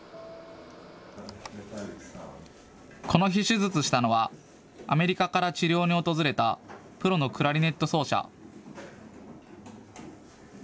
この日、手術したのはアメリカから治療に訪れたプロのクラリネット奏者。